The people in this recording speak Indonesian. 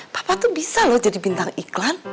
papa tuh bisa loh jadi bintang iklan